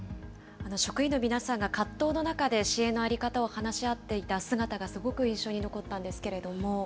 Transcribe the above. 職員の皆さんが葛藤の中で支援の在り方を話し合っていた姿がすごく印象に残ったんですけれども。